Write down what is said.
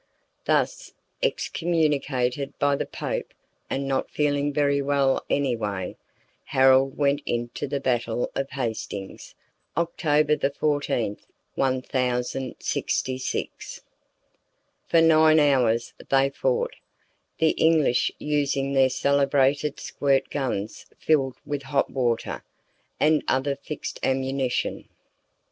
Thus, excommunicated by the Pope and not feeling very well anyway, Harold went into the battle of Hastings, October 14, 1066. For nine hours they fought, the English using their celebrated squirt guns filled with hot water and other fixed ammunition.